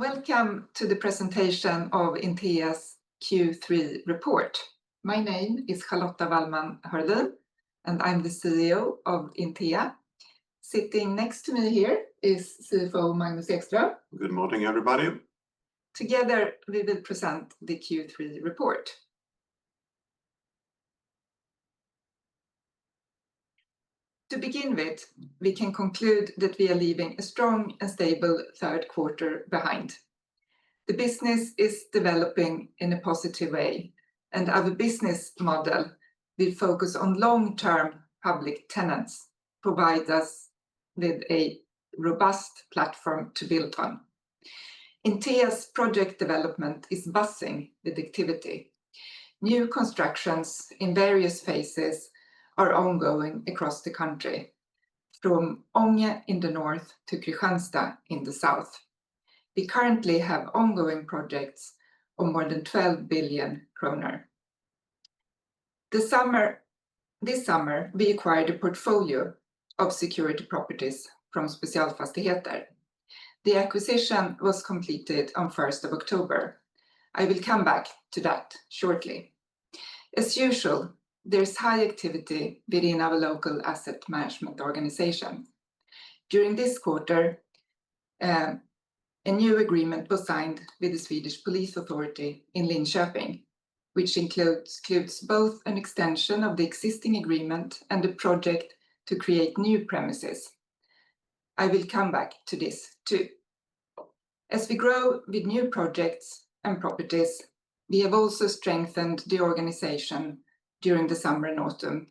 Welcome to the presentation of Intea’s Q3 report. My name is Charlotta Wallman Hörlin, and I’m the CEO of Intea. Sitting next to me here is CFO Magnus Ekström. Good morning, everybody. Together, we will present the Q3 report. To begin with, we can conclude that we are leaving a strong and stable third quarter behind. The business is developing in a positive way, and our business model, which focuses on long-term public tenants, provides us with a robust platform to build on. Intea's project development is buzzing with activity. New constructions in various phases are ongoing across the country, from Ånge in the north to Kristianstad in the south. We currently have ongoing projects of more than 12 billion kronor. This summer, we acquired a portfolio of security properties from Specialfastigheter. The acquisition was completed on first October. I will come back to that shortly. As usual, there is high activity within our local asset management organization. During this quarter, a new agreement was signed with the Swedish Police Authority in Linköping, which includes both an extension of the existing agreement and a project to create new premises. I will come back to this too. As we grow with new projects and properties, we have also strengthened the organization during the summer and autumn,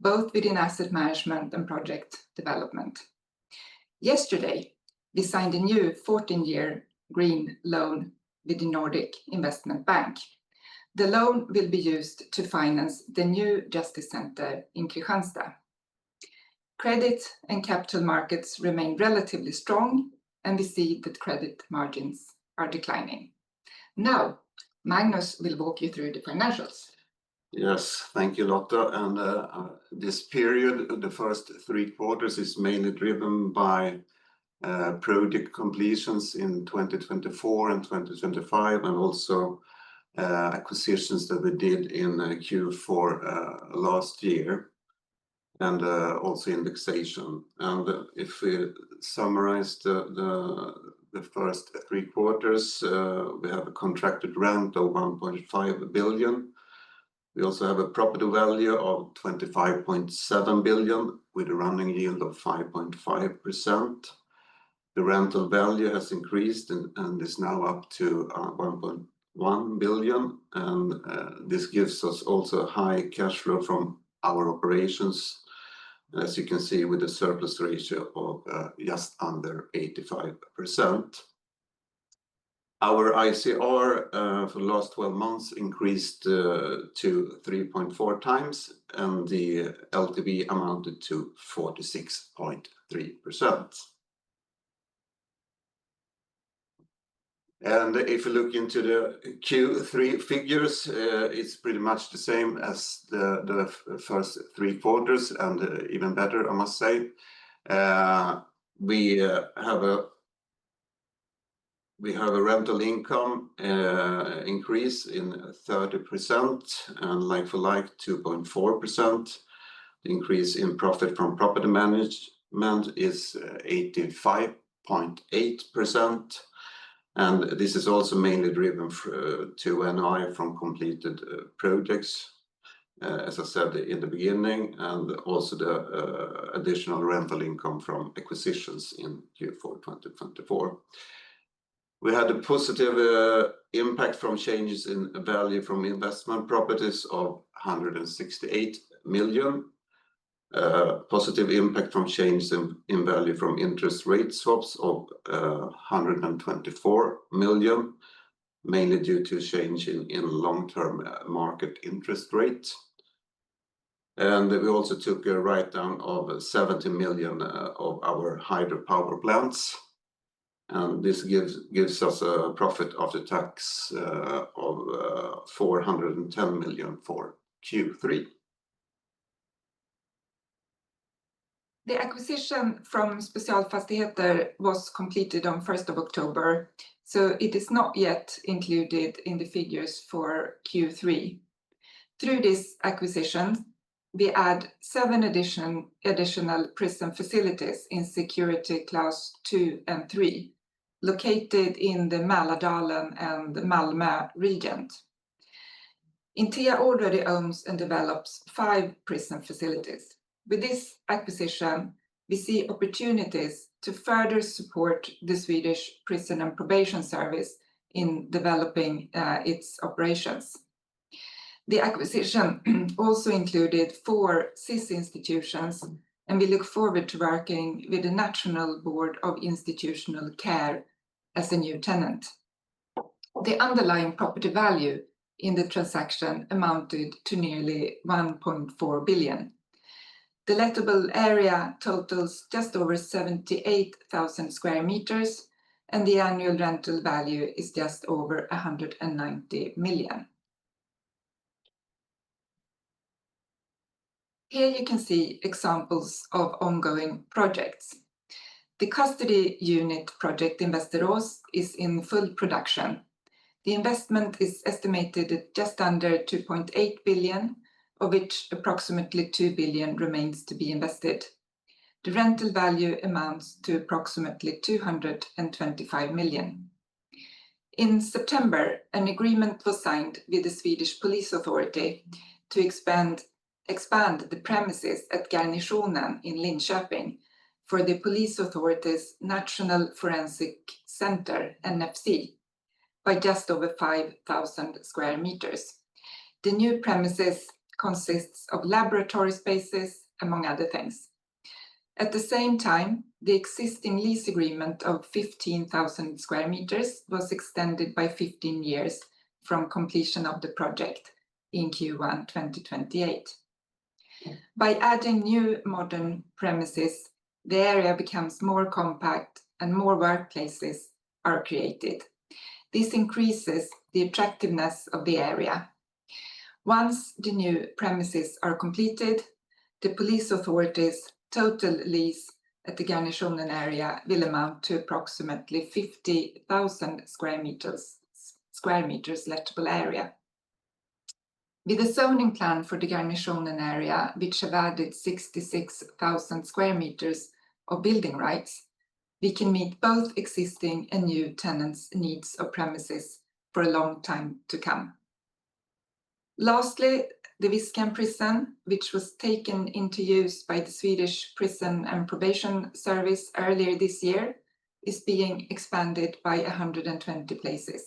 both within asset management and project development. Yesterday, we signed a new 14-year green loan with the Nordic Investment Bank. The loan will be used to finance the new Justice Center in Kristianstad. Credit and capital markets remain relatively strong, and we see that credit margins are declining. Now, Magnus will walk you through the financials. Yes, thank you, Charlotta. And this period, the first three quarters, is mainly driven by project completions in 2024 and 2025, and also acquisitions that we did in Q4 last year, and also indexation. And if we summarize the first three quarters, we have a contracted rent of 1.5 billion. We also have a property value of 25.7 billion, with a running yield of 5.5%. The rental value has increased and is now up to 1.1 billion. And this gives us also a high cash flow from our operations, as you can see, with a surplus ratio of just under 85%. Our ICR for the last 12 months increased to 3.4 x, and the LTV amounted to 46.3%. And if you look into the Q3 figures, it's pretty much the same as the first three quarters, and even better, I must say. We have a rental income increase in 30%, and like for like, 2.4%. The increase in profit from property management is 85.8%, and this is also mainly driven to NOI from completed projects, as I said in the beginning, and also the additional rental income from acquisitions in Q4 2024. We had a positive impact from changes in value from investment properties of 168 million. Positive impact from changes in value from interest rate swaps of 124 million, mainly due to change in long-term market interest rates, and we also took a write-down of 70 million of our hydropower plants, and this gives us a profit after tax of 410 million for Q3. The acquisition from Specialfastigheter was completed on first October, so it is not yet included in the figures for Q3. Through this acquisition, we add seven additional prison facilities in security class 2 and 3, located in the Mälardalen and Malmö regions. Intea already owns and develops five prison facilities. With this acquisition, we see opportunities to further support the Swedish Prison and Probation Service in developing its operations. The acquisition also included four SiS institutions, and we look forward to working with the National Board of Institutional Care as a new tenant. The underlying property value in the transaction amounted to nearly 1.4 billion. The lettable area totals just over 78,000 square meters, and the annual rental value is just over 190 million. Here you can see examples of ongoing projects. The custody unit project in Västerås is in full production. The investment is estimated at just under 2.8 billion, of which approximately 2 billion remains to be invested. The rental value amounts to approximately 225 million. In September, an agreement was signed with the Swedish Police Authority to expand the premises at Garnisonen in Linköping for the Police Authority's National Forensic Center, NFC, by just over 5,000 square meters. The new premises consist of laboratory spaces, among other things. At the same time, the existing lease agreement of 15,000 square meters was extended by 15 years from completion of the project in Q1 2028. By adding new modern premises, the area becomes more compact and more workplaces are created. This increases the attractiveness of the area. Once the new premises are completed, the Police Authority's total lease at the Garnisonen area will amount to approximately 50,000 square meters lettable area. With a zoning plan for the Garnisonen area, which added 66,000 square meters of building rights, we can meet both existing and new tenants' needs of premises for a long time to come. Lastly, the Viskan Prison, which was taken into use by the Swedish Prison and Probation Service earlier this year, is being expanded by 120 places.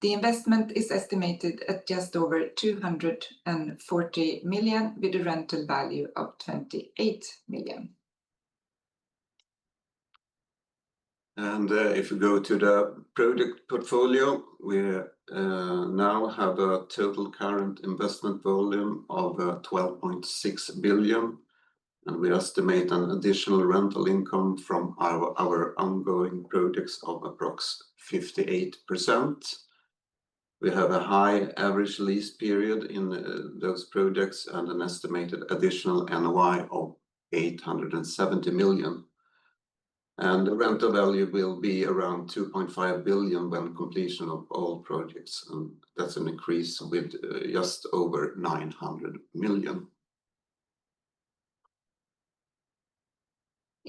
The investment is estimated at just over 240 million with a rental value of 28 million. If we go to the project portfolio, we now have a total current investment volume of 12.6 billion, and we estimate an additional rental income from our ongoing projects of approximately 58%. We have a high average lease period in those projects and an estimated additional NOI of 870 million. The rental value will be around 2.5 billion when completion of all projects, and that's an increase with just over 900 million.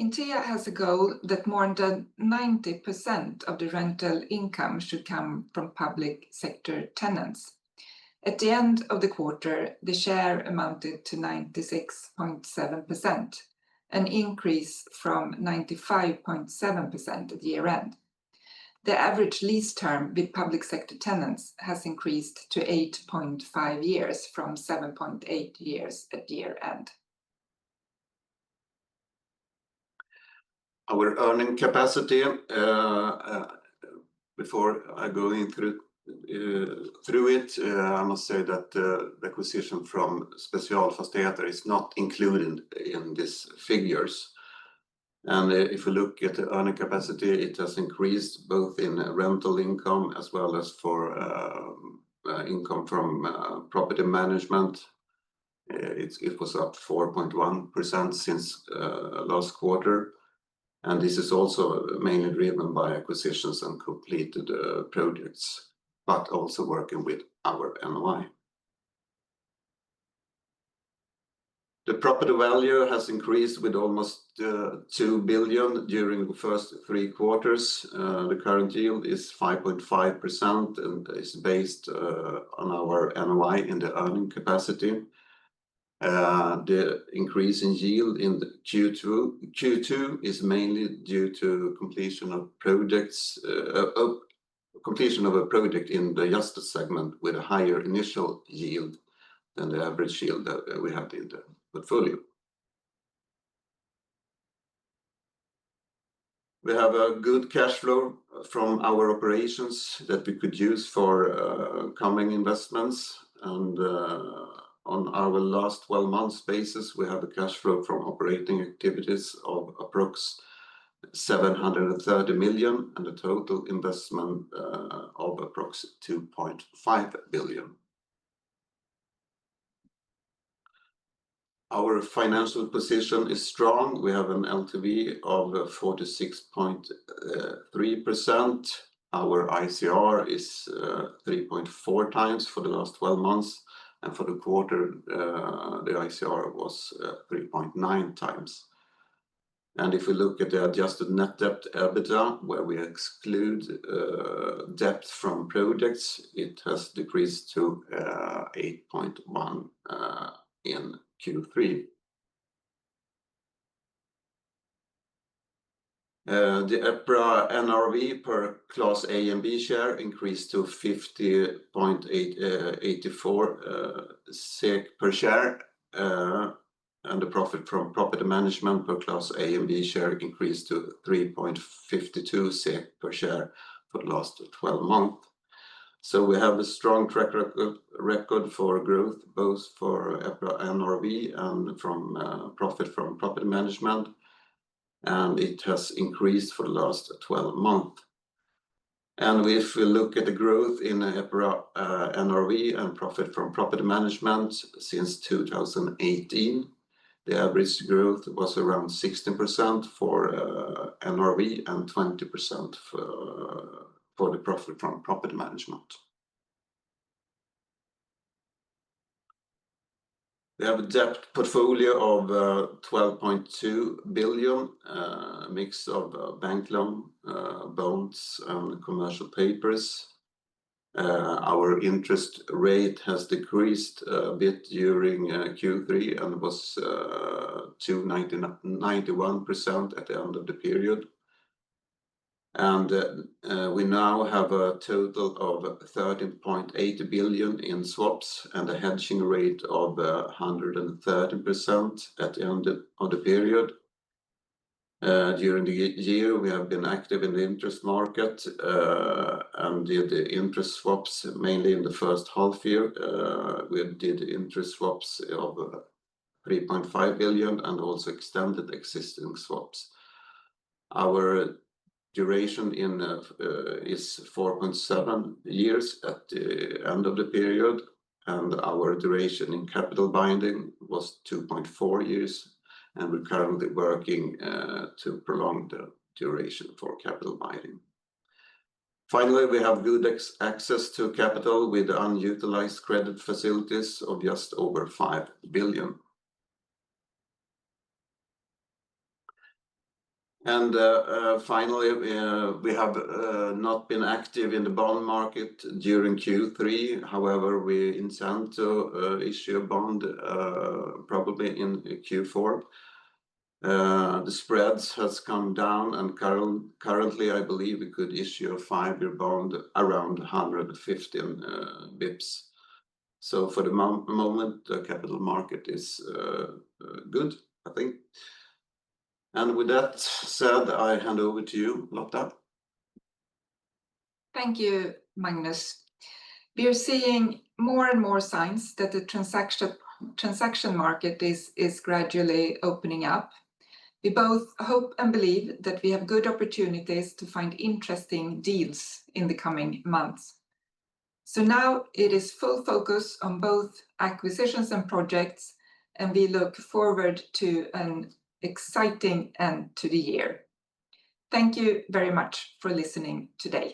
Intea has a goal that more than 90% of the rental income should come from public sector tenants. At the end of the quarter, the share amounted to 96.7%, an increase from 95.7% at year-end. The average lease term with public sector tenants has increased to 8.5 years from 7.8 years at year-end. Our earning capacity, before I go through it, I must say that the acquisition from Specialfastigheter is not included in these figures, and if we look at the earning capacity, it has increased both in rental income as well as for income from property management. It was up 4.1% since last quarter, and this is also mainly driven by acquisitions and completed projects, but also working with our NOI. The property value has increased with almost 2 billion during the first three quarters. The current yield is 5.5% and is based on our NOI in the earning capacity. The increase in yield in Q2 is mainly due to completion of projects in the justice segment with a higher initial yield than the average yield that we have in the portfolio. We have a good cash flow from our operations that we could use for coming investments. And on our last 12 months' basis, we have a cash flow from operating activities of approximately 730 million and a total investment of approximately 2.5 billion. Our financial position is strong. We have an LTV of 46.3%. Our ICR is 3.4 x for the last 12 months. And for the quarter, the ICR was 3.9 x. And if we look at the adjusted Net debt/EBITDA, where we exclude debt from projects, it has decreased to 8.1 in Q3. The EPRA NRV per Class A and B share increased to 50.84 SEK per share. And the profit from property management per Class A and B share increased to 3.52 SEK per share for the last 12 months. So we have a strong track record for growth, both for EPRA NRV and from profit from property management. And it has increased for the last 12 months. And if we look at the growth in EPRA NRV and profit from property management since 2018, the average growth was around 16% for NRV and 20% for the profit from property management. We have a debt portfolio of 12.2 billion, a mix of bank loans, bonds and commercial paper. Our interest rate has decreased a bit during Q3 and was 2.91% at the end of the period. And we now have a total of 13.8 billion in swaps and a hedging rate of 130% at the end of the period. During the year, we have been active in the interest market and did interest swaps mainly in the first half year. We did interest swaps of 3.5 billion and also extended existing swaps. Our duration is 4.7 years at the end of the period, and our duration in capital binding was 2.4 years. And we're currently working to prolong the duration for capital binding. Finally, we have good access to capital with unutilized credit facilities of just over 5 billion. And finally, we have not been active in the bond market during Q3. However, we intend to issue a bond probably in Q4. The spreads have come down, and currently, I believe we could issue a five-year bond around 115 bps. So for the moment, the capital market is good, I think. And with that said, I hand over to you, Charlotta. Thank you, Magnus. We are seeing more and more signs that the transaction market is gradually opening up. We both hope and believe that we have good opportunities to find interesting deals in the coming months. So now it is full focus on both acquisitions and projects, and we look forward to an exciting end to the year. Thank you very much for listening today.